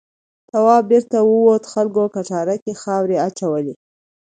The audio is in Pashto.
تواب بېرته ووت خلکو کټاره کې خاورې اچولې.